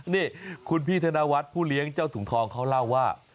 นี่คุณพี่ธนวัฒน์ผู้เลี้ยงเจ้าถุงทองเขาเล่าว่า